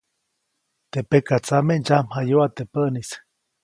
Teʼ pekatsame ndsyamjayuʼa teʼ päʼnis.